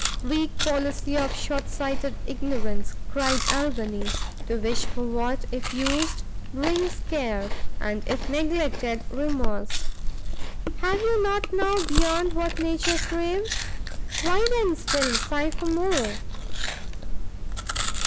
"Weak policy of short sighted ignorance!" cried Albany, "to wish for what, if used, brings care, and if neglected, remorse! have you not now beyond what nature craves? why then still sigh for more?"